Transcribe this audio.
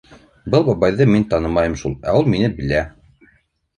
Был бабайҙы мин танымайым шул, ә ул мине белә.